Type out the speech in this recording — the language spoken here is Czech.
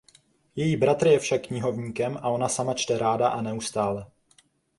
Její bratr je však knihovníkem a ona sama čte ráda a neustále.